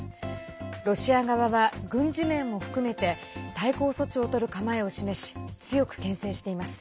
ロシア側は軍事面も含めて対抗措置をとる構えを示し強くけん制しています。